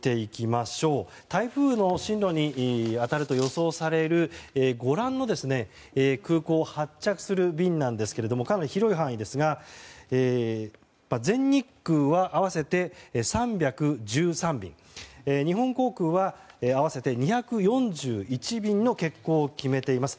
台風の進路に当たると予想される空港を発着する便かなり広い範囲ですが全日空は合わせて３１３便日本航空は合わせて２４１便の欠航を決めています。